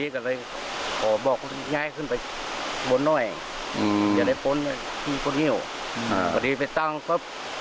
ก็ไปอยู่น้ำเบ้นเป็นหมดมีที่อยู่